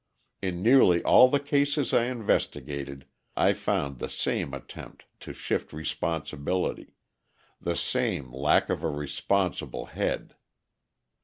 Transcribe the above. In nearly all the cases I investigated, I found the same attempt to shift responsibility, the same lack of a responsible head.